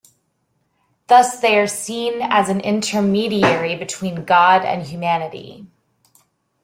Thus they are seen as an intermediary between God and humanity.